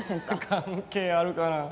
関係あるかなあ？